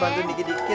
bantu dikit dikit